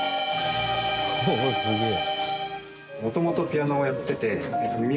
おおすげえ。